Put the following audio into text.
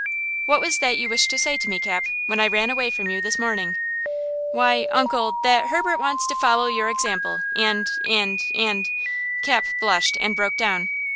"What was that you wished to say to me, Cap, when I ran away from you this morning?" "Why, uncle, that Herbert wants to follow your example, and–and–and–" Cap blushed and broke down.